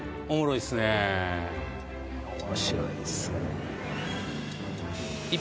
面白いですね。